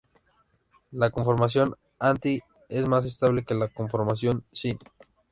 La conformación "anti" es más estable que la conformación "syn".